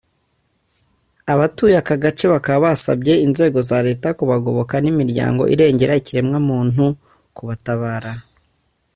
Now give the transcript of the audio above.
Abatuye aka gace bakaba basabye inzego za Leta kubagoboka n’imiryango irengera ikiremwamuntu kubatabara